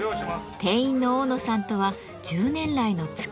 店員の大野さんとは１０年来のつきあい。